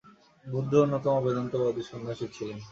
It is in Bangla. বুদ্ধ অন্যতম বেদান্তবাদী সন্ন্যাসী ছিলেন।